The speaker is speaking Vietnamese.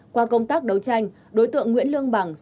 qua công tác đấu tranh đối tượng nguyễn lương bằng